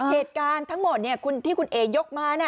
เหตุการณ์ทั้งหมดที่คุณเอ๋ยกมา